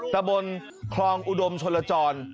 ตะบนคลองอุดมชนลจร